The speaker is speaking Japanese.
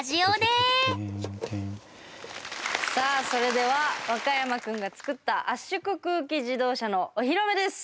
さあそれではワカヤマくんが作った圧縮空気自動車のお披露目です。